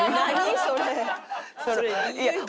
それ。